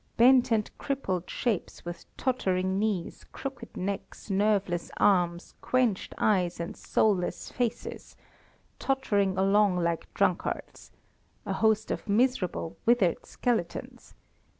Bent and crippled shapes with tottering knees, crooked necks, nerveless arms, quenched eyes, and soulless faces, tottering along like drunkards; a host of miserable, withered skeletons.